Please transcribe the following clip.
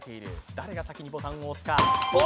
誰が先にボタンを押すか。